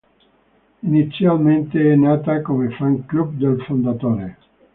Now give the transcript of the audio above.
Inizialmente è nata come fan club del fondatore.